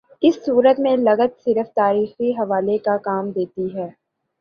اس صورت میں لغت صرف تاریخی حوالے کا کام دیتی ہے۔